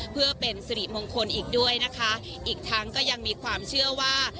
เพื่อเป็นสิริมงคลอีกด้วยนะคะอีกทั้งก็ยังมีความเชื่อว่า